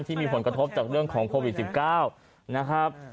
ที่มีผลกระทบจากเรื่องของโควิด๑๙นะครับ